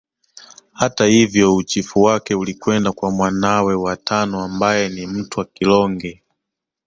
Hata hivyo uchifu wake ulikwenda kwa mwanawe wa tano ambaye ni Mtwa Kilonge